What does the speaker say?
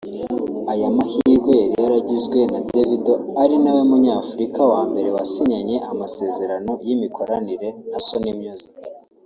Aya mahirwe yari yaragizwe na Davido ari nawe munyafurika wa mbere wasinyanye amasezerano y’imikoranire na Sony Music